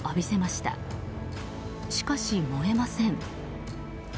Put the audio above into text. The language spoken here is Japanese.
しかし、燃えません。